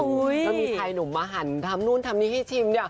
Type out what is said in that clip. แล้วมีชายหนุ่มมาหันทำนู่นทำนี่ให้ชิม